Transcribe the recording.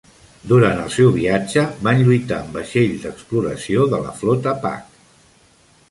Durant el seu viatge, van lluitar amb vaixells d'exploració de la flota Pak.